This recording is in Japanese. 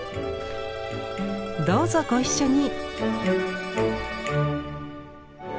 どうぞご一緒に！